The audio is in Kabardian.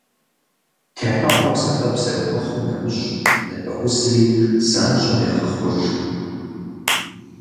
Техьэгъуэм сэбэп зэрыхуэхъум нэмыщӏ, ныбэ узри занщӏэу егъэхъуж.